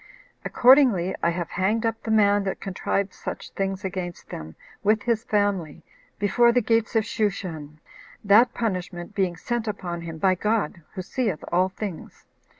Accordingly, I have hanged up the man that contrived such things against them, with his family, before the gates of Shushan; that punishment being sent upon him by God, who seeth all things.